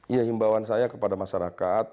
ya himbawan saya kepada masyarakat